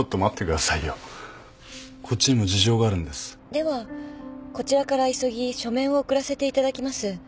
ではこちらから急ぎ書面を送らせていただきます。